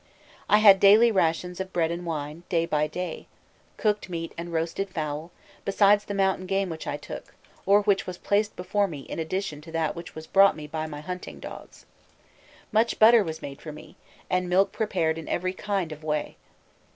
I had daily rations of bread and wine, day by day; cooked meat and roasted fowl, besides the mountain game which I took, or which was placed before me in addition to that which was brought me by my hunting dogs. Much butter was made for me, and milk prepared in every kind of way.